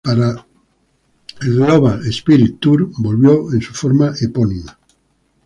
Para el Global Spirit Tour volvió en su forma epónima.